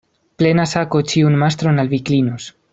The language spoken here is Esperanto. Plena sako ĉiun mastron al vi klinos.